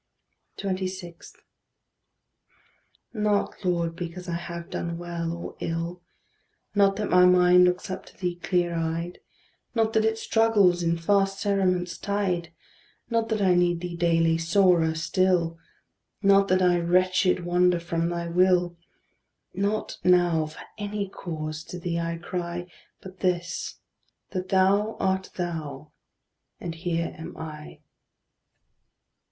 26. Not, Lord, because I have done well or ill; Not that my mind looks up to thee clear eyed; Not that it struggles in fast cerements tied; Not that I need thee daily sorer still; Not that I wretched, wander from thy will; Not now for any cause to thee I cry, But this, that thou art thou, and here am I.